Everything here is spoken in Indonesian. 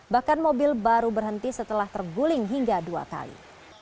bahkan mobil baru berhenti setelah terguling hingga dua kali